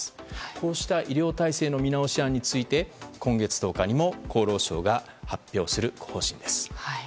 こうした医療体制の見直し案について今月１０日にも厚労省が発表する方針です。